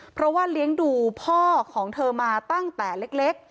เพราะว่าเลี้ยงดูพ่อของเธอมาตั้งแต่เล็ก